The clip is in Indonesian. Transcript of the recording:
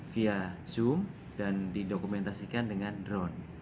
via zoom dan didokumentasikan dengan drone